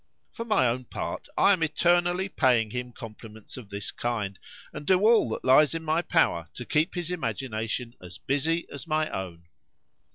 For my own part, I am eternally paying him compliments of this kind, and do all that lies in my power to keep his imagination as busy as my own.